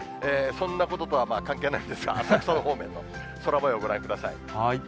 そんなこととは関係ないんですが、浅草方面の空もようをご覧ください。